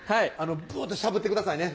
ブーッとしゃぶってくださいね